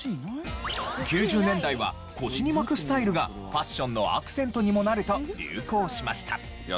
９０年代は腰に巻くスタイルがファッションのアクセントにもなると流行しました。